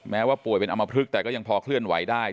ว่าป่วยเป็นอมพลึกแต่ก็ยังพอเคลื่อนไหวได้